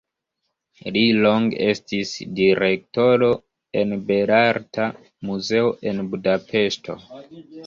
Li longe estis direktoro en Belarta Muzeo en Budapeŝto.